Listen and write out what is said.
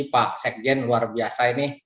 pak sekjen luar biasa ini